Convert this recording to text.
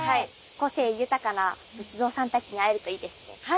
個性豊かな仏像さんたちに会えるといいですね。